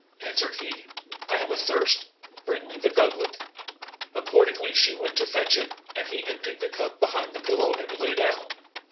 Answered he, "I am athirst, bring me the gugglet." Accordingly she went to fetch it, and he emptied the cup behind the pillow and lay down.